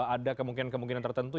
ada kemungkinan kemungkinan tertentu